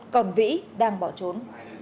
còn vĩ đang bỏ trốn